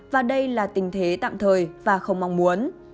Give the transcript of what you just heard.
và đây là tình thế tạm thời và không mong muốn